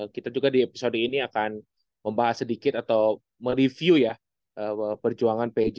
kita juga di episode ini akan membahas sedikit atau mereview ya perjuangan pj dan prawira di tiga game untuk pj dan empat game untuk prawira ya